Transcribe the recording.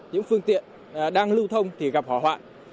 những phương tiện đang lưu thông thì gặp hỏa hoạn